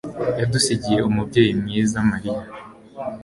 yadusigiye umubyeyi mwiza mariya